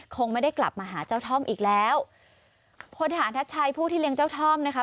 คงไม่ได้กลับมาหาเจ้าท่อมอีกแล้วพลฐานทัชชัยผู้ที่เลี้ยงเจ้าท่อมนะคะ